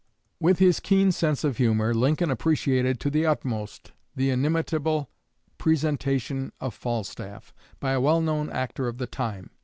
With his keen sense of humor, Lincoln appreciated to the utmost the inimitable presentation of "Falstaff" by a well known actor of the time.